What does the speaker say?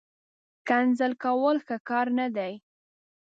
ښکنځل کول، ښه کار نه دئ